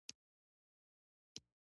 دنيا کۀ راته پېټے د غمونو پۀ سر اېښے